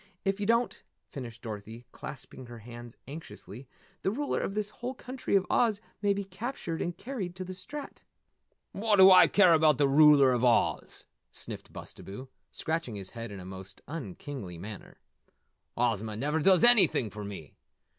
If you don't," finished Dorothy, clasping her hands anxiously, "the ruler of this whole country of Oz may be captured and carried to the Strat." "What do I care about the Ruler of Oz?" sniffed Bustabo, scratching his head in a most unkingly manner. "Ozma never does anything for me!